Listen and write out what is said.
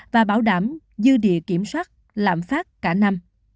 và bảo đảm dư địa kiểm soát lãm phát cả năm